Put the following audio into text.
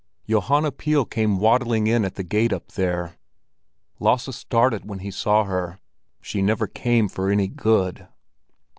Johanna Pihl came waddling in at the gate up there. Lasse started when he saw her; she never came for any good.